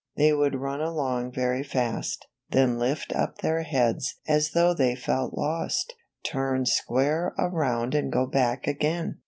They would run along very fast, then lift up their heads as though they felt lost, turn square around and go back again.